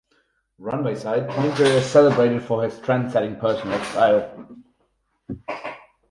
Runway-side, Poynter is celebrated for his trend-setting personal style.